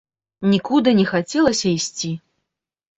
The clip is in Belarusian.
Нікуды не хацелася ісці.